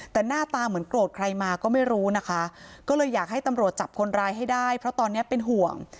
แต่หน้าตาเหมือนโกรธใครมาก็ไม่รู้นะคะก็เลยอยากให้ตำรวจจับคนร้ายให้ได้เพราะตอนนี้เป็นห่วง